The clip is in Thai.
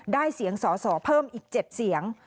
ได้เสียงสอสอเพิ่มอีก๗เสียง